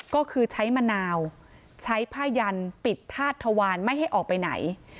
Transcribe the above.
ก็คือใช้มะนาวใช้ผ้ายันปิดธาตุทวารไม่ให้ออกไปไหน